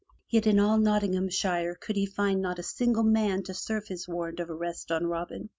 Yet in all Nottinghamshire could he find not a single man to serve his warrant of arrest on Robin.